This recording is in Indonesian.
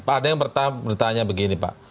ada yang bertanya begini pak